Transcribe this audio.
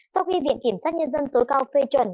sau khi viện kiểm sát nhân dân tối cao phê chuẩn